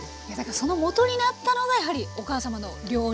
そのもとになったのがやはりお母様の料理。